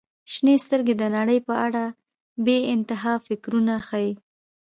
• شنې سترګې د نړۍ په اړه بې انتها فکرونه ښیي.